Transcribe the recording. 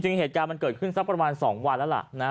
เหตุการณ์มันเกิดขึ้นสักประมาณ๒วันแล้วล่ะนะ